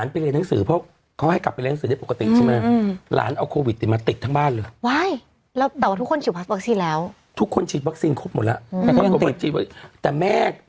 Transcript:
อ๋อประสูญคำติดแน่นมาก